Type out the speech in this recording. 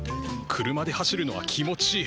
車で走るのは気持ちいい。